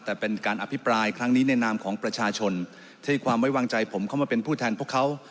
แต่เป็นการอภิปรายครั้งนี้ในนามของประชาชนที่ให้ความไว้วางใจผมเข้ามาเป็นผู้แทนพวกเขา